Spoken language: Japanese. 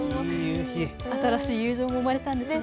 新しい友情も生まれたんですね。